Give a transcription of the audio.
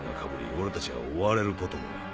俺たちは追われることもない。